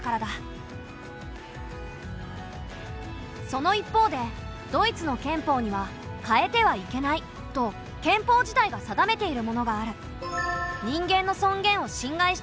その一方でドイツの憲法には「変えてはいけない」と憲法自体が定めているものがある。